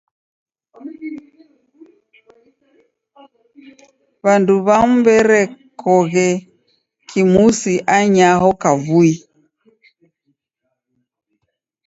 W'andu w'amu w'erekoghe kimusi anyaho kavui.